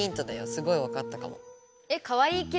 すごいわかったかも。